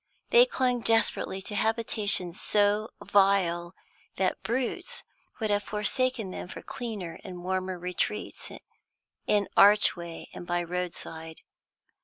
They clung desperately to habitations so vile that brutes would have forsaken them for cleaner and warmer retreats in archway and by roadside.